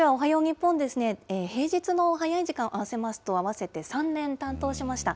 私はおはよう日本ですね、平日の早い時間をあわせますと、合わせて３年担当しました。